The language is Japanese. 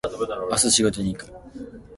毎日仕事に行く